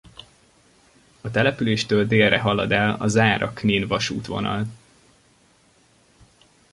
A településtől délre halad el a Zára-Knin vasútvonal.